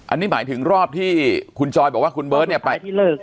อันนี้หมายถึงรอบที่คุณจอยบอกว่าคุณเบิร์ตเนี่ยไป